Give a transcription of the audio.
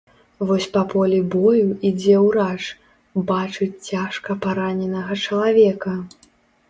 Вось па полі бою ідзе ўрач, бачыць цяжка параненага чалавека.